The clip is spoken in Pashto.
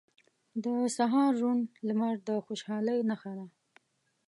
• د سهار روڼ لمر د خوشحالۍ نښه ده.